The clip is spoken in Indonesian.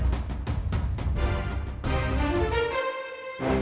aduh kacau ini